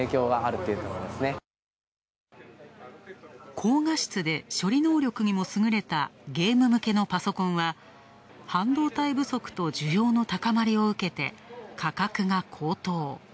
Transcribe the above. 高画質で処理能力にも優れたゲーム向けのパソコンは、半導体不足と需要の高まりを受けて、価格が高騰。